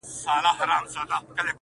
• دنیا فاني ده بیا به وکړی ارمانونه,